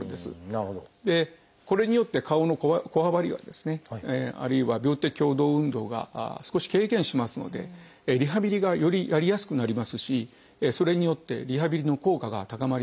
これによって顔のこわばりがあるいは病的共同運動が少し軽減しますのでリハビリがよりやりやすくなりますしそれによってリハビリの効果が高まります。